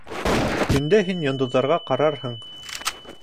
Төндә һин йондоҙҙарға ҡарарһың.